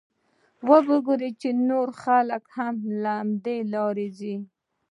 وبه ګورې چې نور خلک هم له همدې لارې ځي.